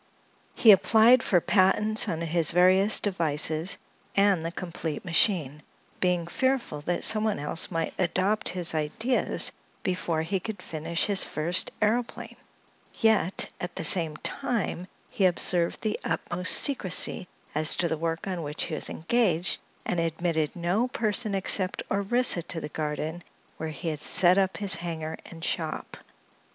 He applied for patents on his various devices and the complete machine, being fearful that someone else might adopt his ideas before he could finish his first aëroplane; yet at the same time he observed the utmost secrecy as to the work on which he was engaged and admitted no person except Orissa to the garden, where he had set up his hangar and shop.